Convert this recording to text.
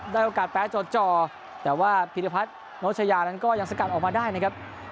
ได้โอกาสแป๊บจดจ่อแต่ว่าพิธิพลัดโนชยานั้นก็ยังสกัดออกมาได้นะครับ